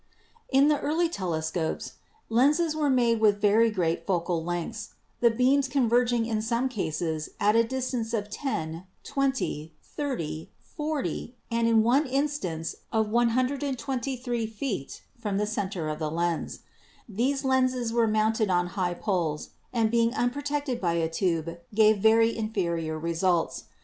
In the early telescopes lenses were made with very great focal lengths — the beams converging in some cases at a distance of 10, 20, 30, 40 and in one instance of 123 feet from the center of the lens. These lenses were mounted on high poles, and being unprotected by a tube gave very inferior results.